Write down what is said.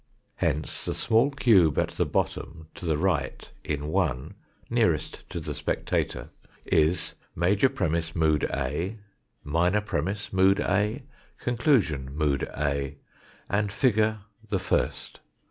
Hence the small cube at the bottom to the right in 1, nearest to the spectator, is major premiss, mood A; minor premiss, mood A; conclusion, mood A; and figure the first.